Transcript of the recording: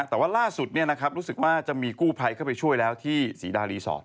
แต่ว่าล่าสุดรู้สึกว่าจะมีกู้ภัยเข้าไปช่วยแล้วที่ศรีดารีสอร์ท